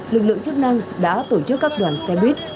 lực lượng chức năng đã tổ chức các đoàn xe buýt